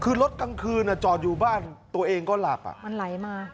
คือรถกลางคืนจอดอยู่บ้านตัวเองก็หลับมันไหลมา